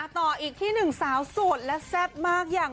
ต่ออีกที่๑สาวสูดและแซ่บมากอย่าง